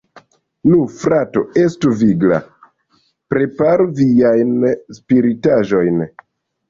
Nu, frato, estu vigla, preparu viajn spritaĵojn!